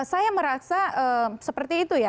saya merasa seperti itu ya